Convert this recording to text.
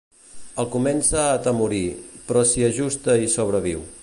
El comença a atemorir, però s'hi ajusta i sobreviu.